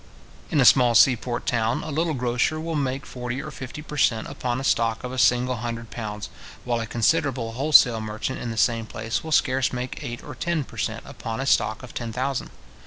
In a small sea port town, a little grocer will make forty or fifty per cent. upon a stock of a single hundred pounds, while a considerable wholesale merchant in the same place will scarce make eight or ten per cent. upon a stock of ten thousand.